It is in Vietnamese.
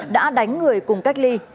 đã đánh người cùng cách ly